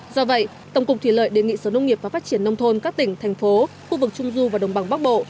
do vậy tổng cục thủy lợi đề nghị sở nông nghiệp và phát triển nông thôn các tỉnh thành phố khu vực trung du và đồng bằng bắc bộ